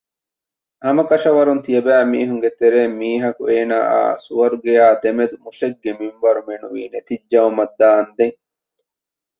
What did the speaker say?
ހަމަކަށަވަރުން ތިޔަބައިމީހުންގެ ތެރެއިން މީހަކު އޭނާއާއި ސުވަރުގެއާ ދެމެދު މުށެއްގެ މިންވަރު މެނުވީ ނެތިއްޖައުމަށް ދާންދެން